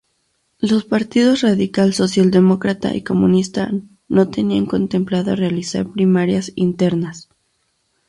Los partidos Radical Socialdemócrata y Comunista no tenían contemplado realizar primarias internas.